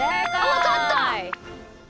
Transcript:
わかった！